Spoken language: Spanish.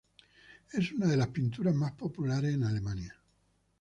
Es una de las pinturas más populares en Alemania.